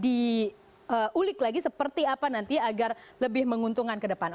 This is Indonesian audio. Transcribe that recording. diulik lagi seperti apa nanti agar lebih menguntungkan ke depan